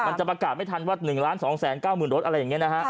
มันจะประกาศไม่ทันว่า๑ล้าน๒แสน๙หมื่นรถ